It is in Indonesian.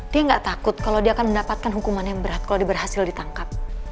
dia nggak takut kalau dia akan mendapatkan hukuman yang berat kalau dia berhasil ditangkap